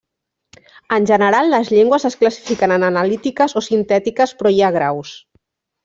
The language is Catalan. En general, les llengües es classifiquen en analítiques o sintètiques però hi ha graus.